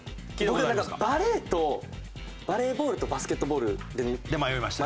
僕なんかバレーとバレーボールとバスケットボールで迷いました。